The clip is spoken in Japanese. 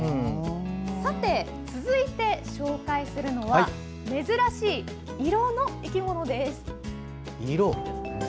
続いて紹介するのは珍しい色の生き物です。